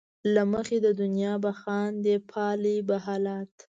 له مخې د دنیا به خاندې ،پالې به حالات